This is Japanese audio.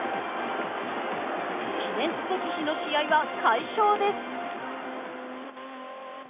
記念すべき日の試合は快勝です。